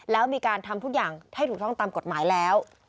แล้วมีการทำทุกอย่างให้ถูกต้องตามกฎหมายแล้ว